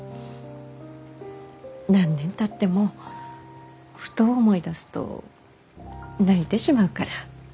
何年たってもふと思い出すと泣いてしまうから。